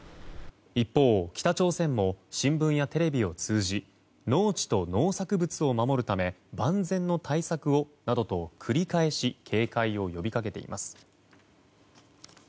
一方、北朝鮮も新聞やテレビを通じ農地と農作物を守るため万全の対策をなどと繰り返し警戒を呼びかけています。